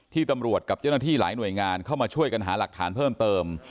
ตำรวจกับเจ้าหน้าที่หลายหน่วยงานเข้ามาช่วยกันหาหลักฐานเพิ่มเติม